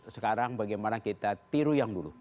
sekarang bagaimana kita tiru yang dulu